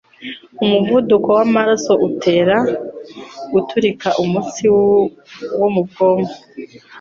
Umuvuduko w"amaraso utera guturika imitsi yo mu bwonko